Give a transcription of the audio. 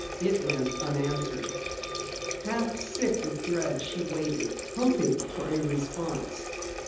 It went unanswered. Half sick with dread, she waited, hoping for a response.